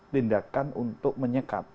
tindakan untuk menyekat